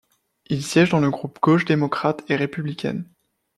Il siège dans le groupe Gauche démocrate et républicaine.